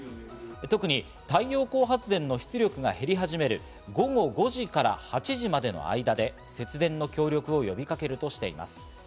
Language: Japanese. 特に太陽光発電の出力が減り始める午後５時から８時までの間で節電の協力を呼びかけるとしています。